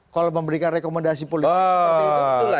kalau memberikan rekomendasi politik